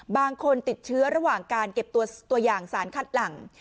บางคนติดเชื้อระหว่างการเก็บตัวอย่างสารคัดหลัง